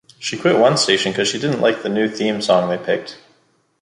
She quit one station because she didn't like a new theme song they picked.